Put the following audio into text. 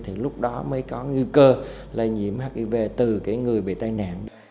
thì lúc đó mới có nguy cơ lây nhiễm hiv từ cái người bị tai nạn